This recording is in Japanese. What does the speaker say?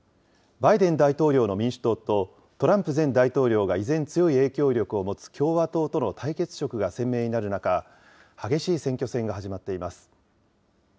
バイデン大統領の民主党と、トランプ前大統領が依然、強い影響力を持つ共和党との対決色が鮮明になる中、激しい選挙戦が始まっています。